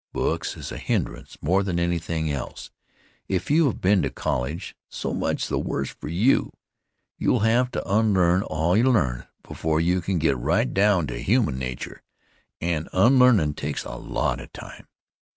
Books is a hindrance more than anything else. If you have been to college, so much the worse for you. You'll have to unlearn all you learned before you can get right down to human nature, and unlearnin' takes a lot of time.